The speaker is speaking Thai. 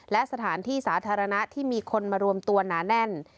และสถานที่สาธารณะที่มีคนมารวมตัวหนาแน่น